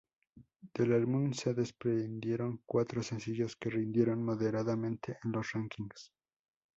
Del álbum se desprendieron cuatro sencillos que rindieron moderadamente en los "rankings".